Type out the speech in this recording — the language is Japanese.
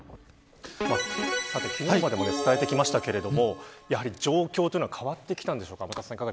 昨日までも伝えてきましたけれども状況というのは変わってきたんでしょうか。